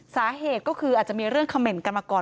สาเหตุก็คืออาจจะมีเรื่องเขม่นกันมาก่อน